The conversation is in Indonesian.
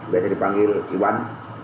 biasanya dipanggil iwan